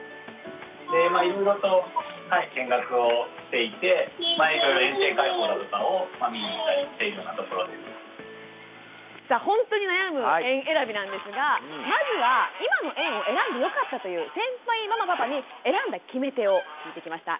続いてさあほんとに悩む園えらびなんですがまずは「今の園を選んでよかった」という先輩ママパパに「選んだ決め手」を聞いてきました。